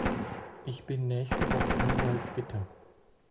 Ich bin nächste Woche in Salzgitter